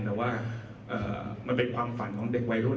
แต่ว่ามันเป็นความฝันของเด็กวัยรุ่น